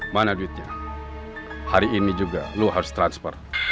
mana duitnya hari ini juga lo harus transfer